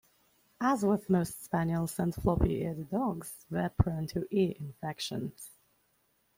As with most spaniels and floppy eared dogs, they are prone to ear infections.